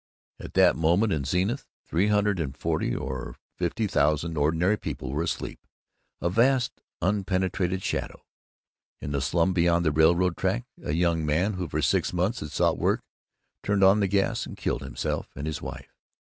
At that moment in Zenith, three hundred and forty or fifty thousand Ordinary People were asleep, a vast unpenetrated shadow. In the slum beyond the railroad tracks, a young man who for six months had sought work turned on the gas and killed himself and his wife.